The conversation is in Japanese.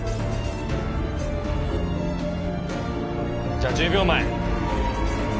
じゃあ１０秒前。